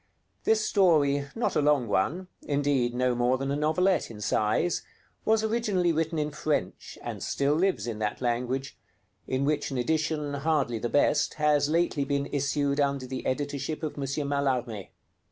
This story, not a long one, indeed, no more than a novelette in size, was originally written in French, and still lives in that language; in which an edition, hardly the best, has lately been issued under the editorship of M. Mallarmé.